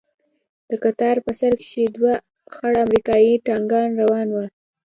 د کتار په سر کښې دوه خړ امريکايي ټانکان روان وو.